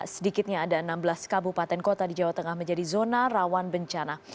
sedikitnya ada enam belas kabupaten kota di jawa tengah menjadi zona rawan bencana